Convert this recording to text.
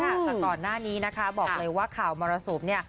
แต่ก่อนหน้านี้นะคะบอกเลยว่าข่าวมรสุมเนี่ย